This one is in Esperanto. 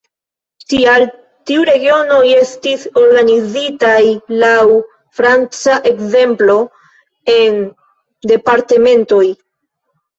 Tial tiu regionoj estis organizitaj laŭ franca ekzemplo en departementoj.